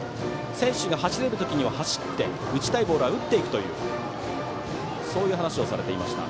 選手が走れる時には走って、打ちたいボールは打っていくという話をされていました。